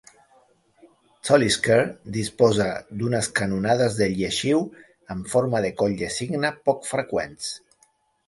Talisker disposa d'unes canonades de lleixiu amb forma de coll de cigne poc freqüents.